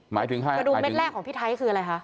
หมายถึงให้กระดุมแม่นแรกของพี่ไทยคืออะไรคะ